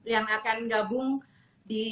yang akan gabung di